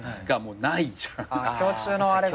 共通のあれが。